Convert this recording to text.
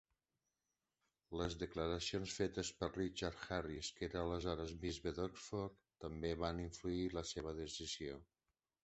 Les declaracions fetes per Richard Harries, que era aleshores Bisbe d'Oxford, també van influir la seva decisió.